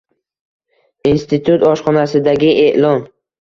Insititut oshxonasidagi e'lon.